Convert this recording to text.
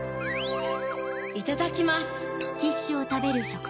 いただきます